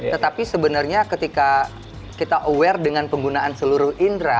tetapi sebenarnya ketika kita aware dengan penggunaan seluruh indera